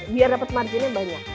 biar dapet marginnya banyak